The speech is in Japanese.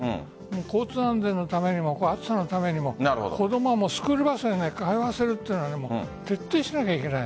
交通安全のためにも暑さのためにも子供はスクールバスで通わせるというのは徹底しなきゃいけない。